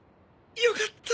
よかった。